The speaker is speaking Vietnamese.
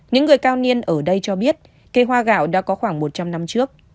những người cao niên ở đây cho biết cây hoa gạo đã có khoảng một trăm linh năm trước